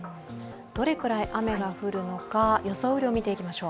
どれくらい雨が降るのか、予想雨量を見ていきましょう。